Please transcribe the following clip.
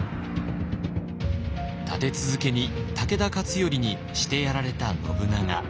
立て続けに武田勝頼にしてやられた信長。